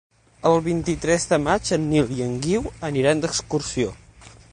El vint-i-tres de maig en Nil i en Guiu aniran d'excursió.